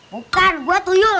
bukan gua tuyul